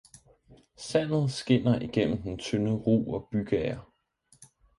sandet skinner igennem den tynde rug- og bygager.